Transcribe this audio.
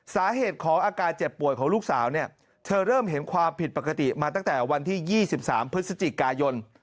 สาเหตุของอาการเจ็บป่วยของลูกสาวเนี่ยเธอเริ่มเห็นความผิดปกติมาตั้งแต่วันที่๒๓พฤศจิกายน